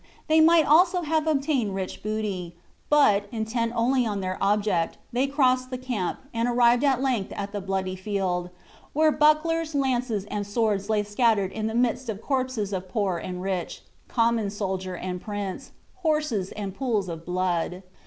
They might also have obtained rich booty; but, intent only on their object, they crossed the camp, and arrived at length at the bloody field, where bucklers, lances, and swords lay scattered in the midst of corpses of poor and rich, common soldier and prince, horses and pools of blood.